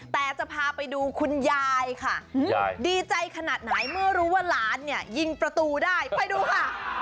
แต่จะพาไปดูคุณยายค่ะดีใจขนาดไหนเมื่อรู้ว่าหลานเนี่ยยิงประตูได้ไปดูค่ะ